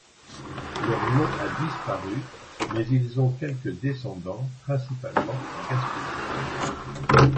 Leur nom a disparu mais ils ont quelques descendants, principalement en Gaspésie.